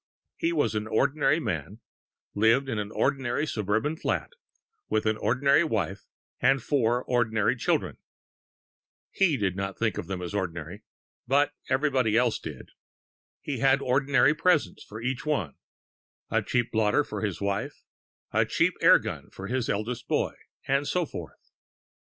He was an ordinary man, lived in an ordinary suburban flat, with an ordinary wife and four ordinary children. He did not think them ordinary, but everybody else did. He had ordinary presents for each one, a cheap blotter for his wife, a cheap air gun for the eldest boy, and so forth.